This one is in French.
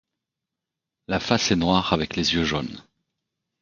La face est noir avec les yeux jaunes.